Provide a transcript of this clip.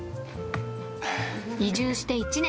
移住して１年。